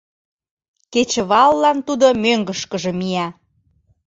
Кечываллан тудо мӧҥгышкыжӧ мия.